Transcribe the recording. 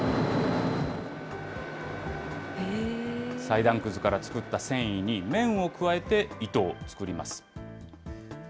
裁断くずから作った繊維に、綿を加えて糸を作ります。